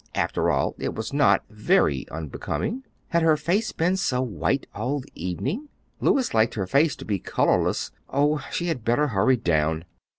After all, it was not very unbecoming. Had her face been so white all the evening? Louis liked her face to be colorless. Oh, she had better hurry down.